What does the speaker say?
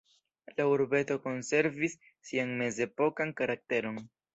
La urbeto konservis sian mezepokan karakteron.